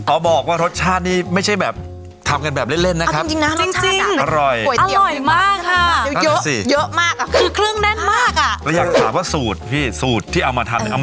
บอกว่ารสชาตินี่ไม่ใช่แบบทำกันแบบเล่นนะครับ